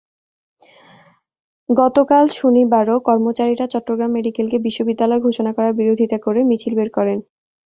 গতকাল শনিবারও কর্মচারীরা চট্টগ্রাম মেডিকেলকে বিশ্ববিদ্যালয় ঘোষণা করার বিরোধিতা করে মিছিল বের করেন।